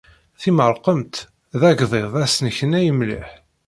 Timerqemt d agḍiḍ asneknay mliḥ.